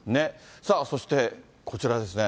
さあ、そしてこちらですね。